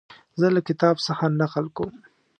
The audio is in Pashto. زه له کتاب څخه نقل کوم.